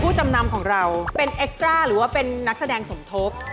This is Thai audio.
จำนำของเราเป็นเอ็กซ่าหรือว่าเป็นนักแสดงสมทบ